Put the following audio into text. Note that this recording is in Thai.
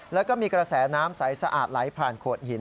แล้วก็มีกระแสน้ำใสสะอาดไหลผ่านโขดหิน